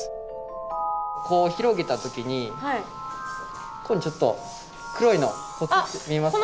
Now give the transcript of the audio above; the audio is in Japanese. こう広げた時にここにちょっと黒いのポツって見えますか？